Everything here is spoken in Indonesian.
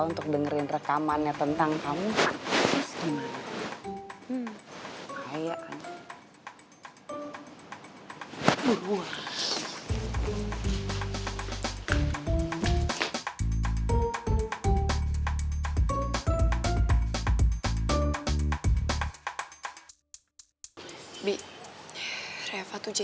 untuk dengerin rekamannya tentang kamu